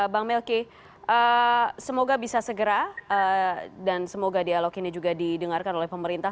bang melki semoga bisa segera dan semoga dialog ini juga didengarkan oleh pemerintah